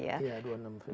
iya bulan februari